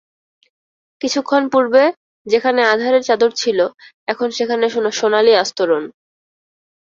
কিছুক্ষণ পূর্বে যেখানে আঁধারের চাদর ছিল এখন সেখানে সোনালী আস্তরণ।